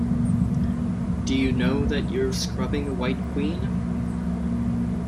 Do you know that you’re scrubbing a White Queen?